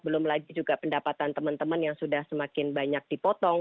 belum lagi juga pendapatan teman teman yang sudah semakin banyak dipotong